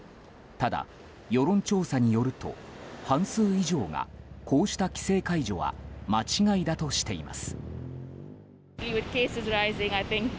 ただ、世論調査によると半数以上がこうした規制解除は間違いだとしています。